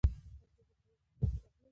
اسلام ټول بشریت او انسانیت ته راغلی دی.